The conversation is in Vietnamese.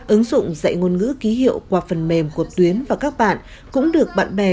ứng dụng dạy ngôn ngữ ký hiệu qua phần mềm của tuyến và các bạn